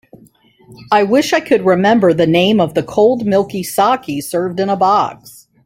I wish I could remember the name of the cold milky saké served in a box.